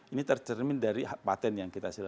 ini tercermin dari patent yang kita hasilkan